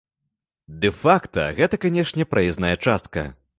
Дэ-факта гэта, канешне, праезная частка.